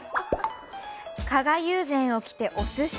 加賀友禅を着て、おすし。